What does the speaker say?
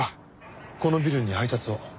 このビルに配達を？